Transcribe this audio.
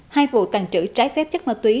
hai vụ tàng trữ trái phép chất ma túy